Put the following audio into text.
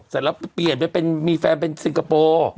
เสร็จแล้วเปลี่ยนไปเป็นมีแฟนเป็นซิงคโปร์